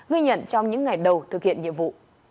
ghi nhận trong những ngày đầu thực hiện nhiệm vụ